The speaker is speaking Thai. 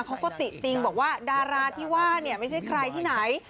เขาก็ติติงบอกว่าดาราที่ว่าเนี่ยไม่ใช่ใครที่ไหน